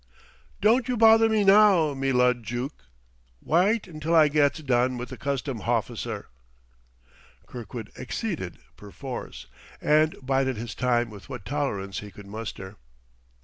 "Don't you bother me now, me lud juke! Wyte until I gets done with the custom hofficer." Kirkwood acceded, perforce; and bided his time with what tolerance he could muster.